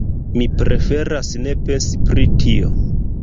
Mi preferas ne pensi pri tio.